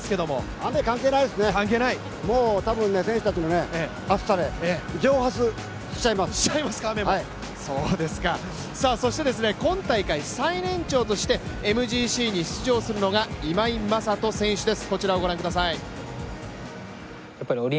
雨は関係ないですね、もう選手たちの暑さで今大会最年長としてＭＧＣに出場するのが今井正人選手です。